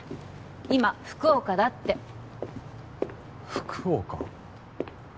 今福岡だって福岡？